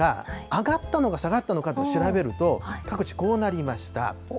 上がったのか下がったのかと調べると、各地、こうなりました。